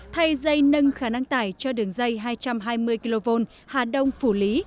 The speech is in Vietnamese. thay dây nâng khả năng tải cho đường dây hai trăm hai mươi kv hà đông phủ lý